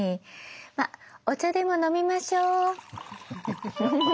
まあお茶でも飲みましょう。